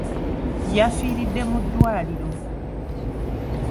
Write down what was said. Yafiiridde mu ddwaliro.